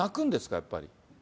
やっぱり。